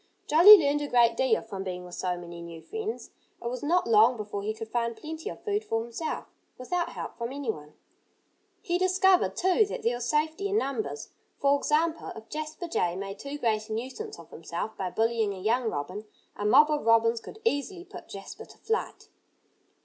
Jolly learned a great deal from being with so many new friends. It was not long before he could find plenty of food for himself, without help from anyone. He discovered, too, that there was safety in numbers. For example, if Jasper Jay made too great a nuisance of himself by bullying a young robin, a mob of robins could easily put Jasper to flight.